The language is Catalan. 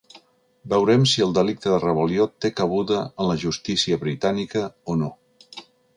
Veurem si el delicte de rebel·lió té cabuda en la justícia britànica o no.